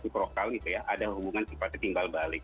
itu prokal itu ya ada hubungan tiba tiba timbal balik